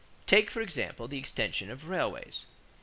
Take, for example, the extension of railways.